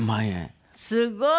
すごい。